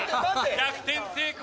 逆転成功！